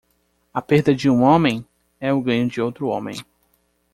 A perda de um homem? é o ganho de outro homem.